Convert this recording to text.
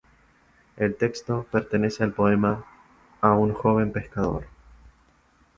El texto pertenece al poema "A un joven pescador".